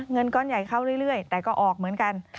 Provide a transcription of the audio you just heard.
เงินก้อนใหญ่เข้าเรื่อยแต่ก็ออกเหมือนกัน